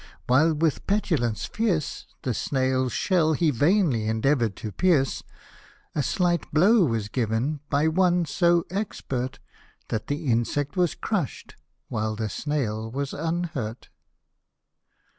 while with petulance fierce The snail's shell he vainly endeavour'd to pierce, A slight blow was given, by one so expert, That the insect was crush'd, while the snail was unhurt.